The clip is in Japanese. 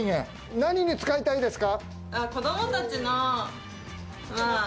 何に使いたいですか？